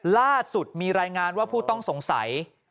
ล่าสุดมีรายงานว่าผู้ต้องสงสัย